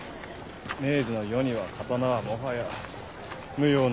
明治の世には刀はもはや無用の長物だ。